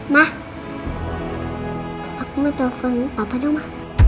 ma aku mau telfon bapak dong ma